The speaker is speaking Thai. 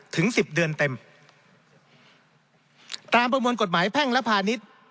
ถึงสิบเดือนเต็มตามประมวลกฎหมายแพ่งและพาณิชย์